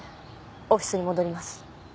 オフィスに戻ります。